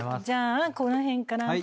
じゃあこの辺から。